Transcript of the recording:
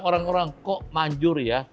orang orang kok manjur ya